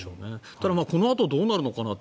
ただ、このあとどうなるのかなって。